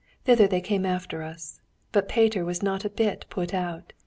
Thither they came after us. But Peter was not a bit put out.